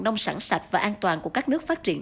nông sản sạch và an toàn của các nước phát triển